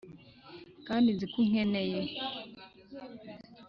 kandi nzi ko unkeneye